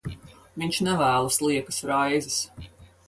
Viņš nevēlas liekas raizes.